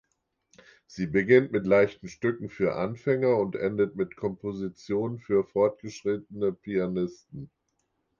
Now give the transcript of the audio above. Sie beginnt mit leichten Stücken für Anfänger und endet mit Kompositionen für fortgeschrittene Pianisten.